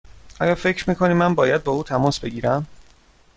آیا فکر می کنی من باید با او تماس بگیرم؟